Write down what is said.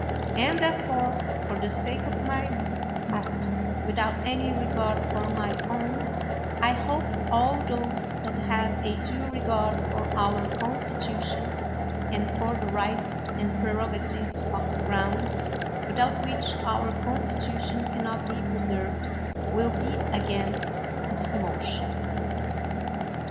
And therefore, for the sake of my mas ter, without any regard for my own, I hope all those that have a due regard for our constitution and for the rights and prerogatives of the crown, without which our constitution can not be pre served, will be against this motion.